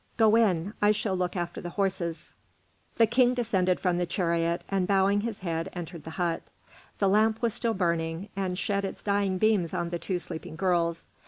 Go in. I shall look after the horses." The king descended from the chariot, and bowing his head, entered the hut. The lamp was still burning, and shed its dying beams on the two sleeping girls.